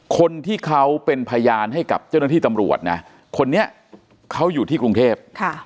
คนที่เขาเป็นพยานให้กับเจ้าหน้าที่ตำรวจนะคนนี้เขาอยู่ที่กรุงเทพ